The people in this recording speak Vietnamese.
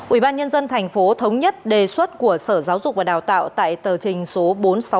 ubnd tp thống nhất đề xuất của sở giáo dục và đào tạo tại tờ trình số bốn trăm sáu mươi